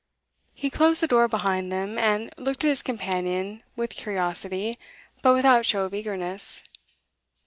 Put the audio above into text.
He closed the door behind them, and looked at his companion with curiosity, but without show of eagerness.